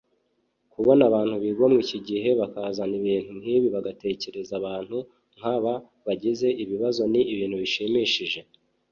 Kubona abantu bigomwa iki gihe bakazana ibintu nk’ibi bagatekereza abantu nk’ba bagize ibibazo ni ibintu bishimishije